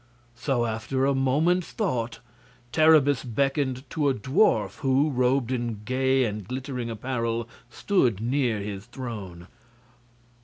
So, after a moment's thought, Terribus beckoned to a dwarf who, robed in gay and glittering apparel, stood near his throne.